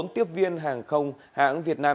bốn tiếp viên hàng không hãng việt nam